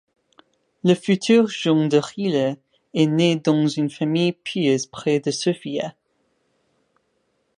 Le futur Jean de Rila est né dans une famille pieuse près de Sofia.